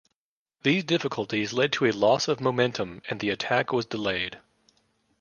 These difficulties led to a loss of momentum and the attack was delayed.